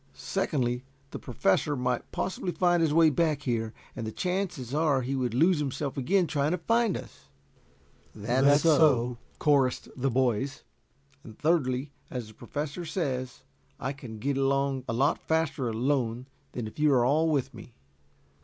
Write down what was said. "Secondly, the Professor might possibly find his way back here, and the chances are he would lose himself again trying to find us." "That's so," chorused the boys. "And thirdly, as the Professor says, I can get along a lot faster alone than if you are all with me."